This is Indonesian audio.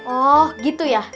oh gitu ya